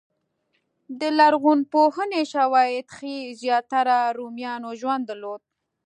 لرغونپوهنې شواهد ښيي زیاتره رومیانو ژوند درلود.